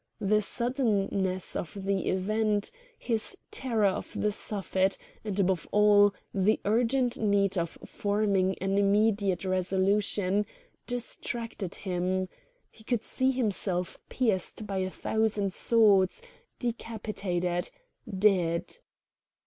The suddenness of the event, his terror of the Suffet, and above all, the urgent need of forming an immediate resolution, distracted him; he could see himself pierced by a thousand swords, decapitated, dead.